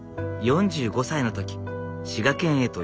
４５歳の時滋賀県へと移住。